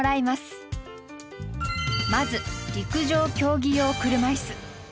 まず陸上競技用車いす。